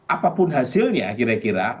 apapun hasilnya kira kira